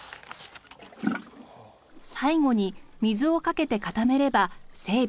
最後に水をかけて固めれば整備完了。